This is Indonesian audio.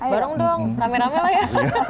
barong dong rame rame lah ya